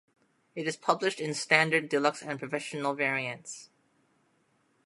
It is published in Standard, Deluxe, and Professional variants.